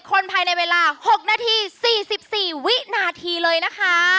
คนภายในเวลา๖นาที๔๔วินาทีเลยนะคะ